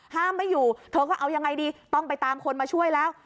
ไม่อยู่เธอก็เอายังไงดีต้องไปตามคนมาช่วยแล้ว